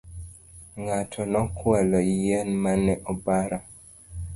Ng'ato nokwalo yien mane obaro